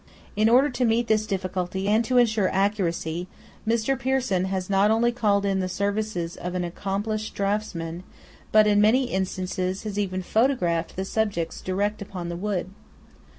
In order to meet this difficulty and to ensure accuracy, Mr. Pearson has not only called in the services of accomplished draughtsmen, but in many instances has even photographed the subjects direct upon the wood.